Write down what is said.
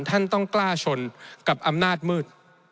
ท่านต้องกล้าชนกับอำนาจมืด